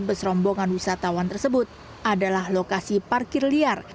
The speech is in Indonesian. beserombongan wisatawan tersebut adalah lokasi parkir liar